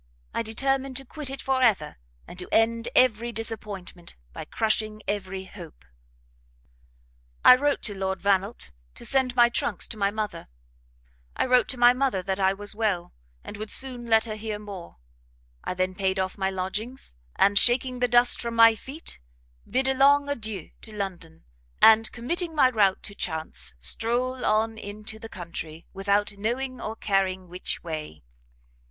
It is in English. I determined to quit it for ever, and to end every disappointment, by crushing every hope. "I wrote to Lord Vannelt to send my trunks to my mother; I wrote to my mother that I was well, and would soon let her hear more: I then paid off my lodgings, and 'shaking the dust from my feet,' bid a long adieu to London; and, committing my route to chance, strole on into the country, without knowing or caring which way.